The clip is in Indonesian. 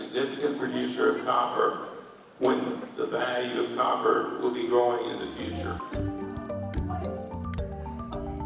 ketika nilai emas akan berkembang di masa depan